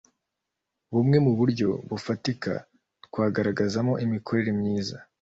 Bumwe mu buryo bufatika twagaragazamo imikorere myiza